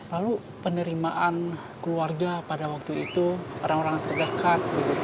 lalu penerimaan keluarga pada waktu itu orang orang terdekat seperti apa